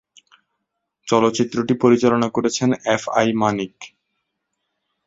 চলচ্চিত্রটি পরিচালনা করেছেন এফ আই মানিক।